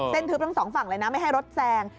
ทึบทั้งสองฝั่งเลยนะไม่ให้รถแซง